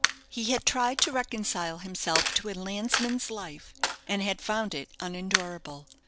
He had tried to reconcile himself to a landsman's life, and had found it unendurable.